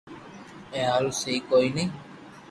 اي ھارو سھي ڪوئي ني